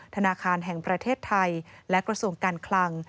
ธนาคารแห่งประเทศไทยและกระทรวงการคลัง